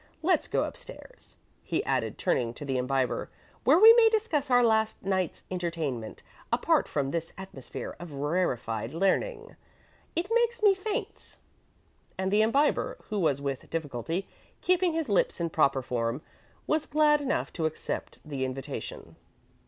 Let's go up stairs," he added, turning to the Imbiber, "where we may discuss our last night's entertainment apart from this atmosphere of rarefied learning. It makes me faint." And the Imbiber, who was with difficulty keeping his lips in proper form, was glad enough to accept the invitation.